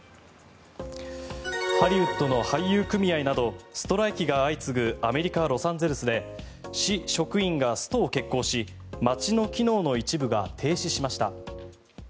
ハリウッドの俳優組合などストライキが相次ぐアメリカ・ロサンゼルスで市職員がストを決行し街の機能の一部が停止しました。